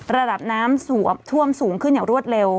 ระดับน้ำท่วมสูงขึ้นอย่างรวดเร็ว